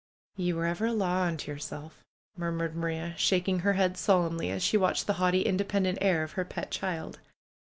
"Ye were ever a law unto yerself !" murmured Maria, shaking her head solemnly, as she watched the haughty, independent air of her pet child.